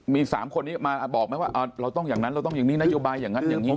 มี๓คนนี้มาบอกไหมว่าเราต้องอย่างนั้นอย่างนี้อย่างนั้นอย่างนี้